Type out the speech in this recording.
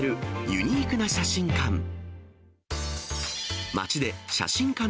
ユニークな写真館。